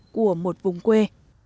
của một vùng quê